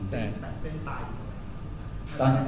แต่เส้นตาย